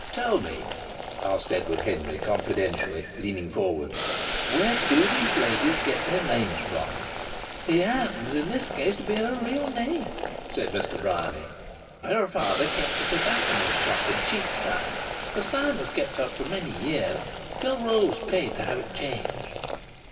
"Tell me," asked Edward Henry, confidentially, leaning forward, "where do those ladies get their names from?" "It happens in this case to be her real name," said Mr. Bryany. "Her father kept a tobacconist's shop in Cheapside. The sign was kept up for many years, until Rose paid to have it changed."